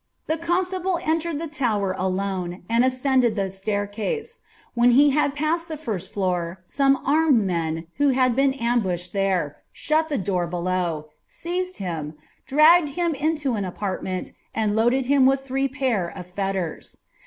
The constable entered the lower alone, and ascended ilie ftaitoM. When he had passed ihe first floor, some armed men, who bad btn ambushed there, shut the door below, seised him, dragged him iltton aparimeni, and loaded him with three pair of fellers.